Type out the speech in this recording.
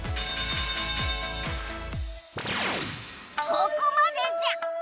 ここまでじゃ！